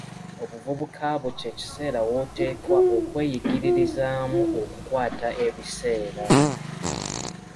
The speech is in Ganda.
Obuvubuka bwo kye kiseera woteekwa okweyigiririzaamu okukwata ebiseera.